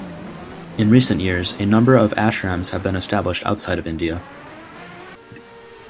In recent years, a number of ashrams have been established outside of India.